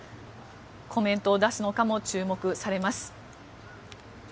コメントを出すのかも注目されます。